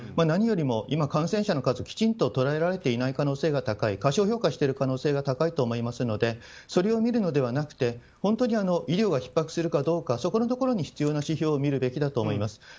何よりも感染者の数をきちんと捉えられていない可能性が高い過小評価している可能性が高いと思いますのでそれを見るのではなくて本当に医療がひっ迫しているかどうかそこのところに必要な指標を見るべきだと思います。